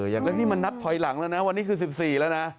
อย่างนั้นนี่มันนับถอยหลังแล้วนะวันนี้คือ๑๔แล้วนะ